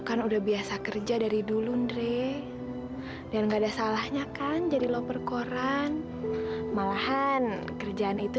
kan udah biasa kerja dari dulu andre dan enggak ada salahnya kan jadi loper koran malahan kerjaan itu